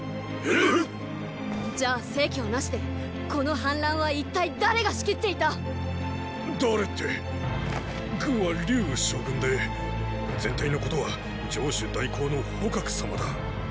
えっ⁉じゃあ成なしでこの反乱は一体誰が仕切っていた⁉誰って軍は龍羽将軍で全体のことは城主代行の蒲様だ。